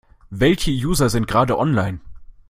Welche User sind gerade online?